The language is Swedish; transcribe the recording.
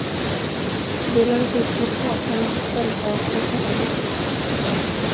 Det delades ut små påsar med pastellfärgat konfetti.